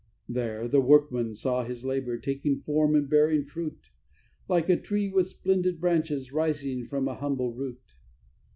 There the workman saw his labour taking form and bearing fruit, Like a tree with splendid branches rising from a humble root.